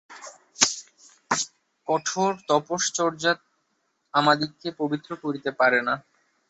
কঠোর তপশ্চর্যা আমাদিগকে পবিত্র করিতে পারে না।